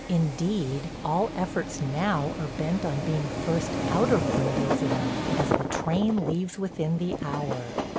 Indeed, all efforts now are bent on being first out of Brundusium, as the train leaves within the hour.